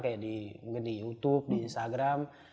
kayak di youtube di instagram